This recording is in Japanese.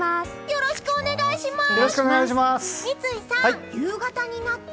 よろしくお願いします！